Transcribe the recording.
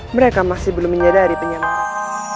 mereka masih belum menyadari penyebaran